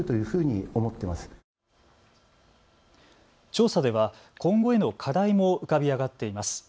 調査では今後への課題も浮かび上がっています。